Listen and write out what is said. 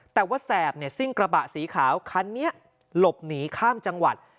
แต่ว่าแสบเนี่ยซิ่งกระบะสีขาวคันนี้หลบหนีข้ามจังหวัด